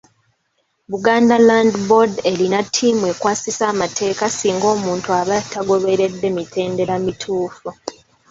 Buganda Land Board erina ttiimu ekwasisa amateeka singa omuntu aba tagoberedde mitendera mituufu.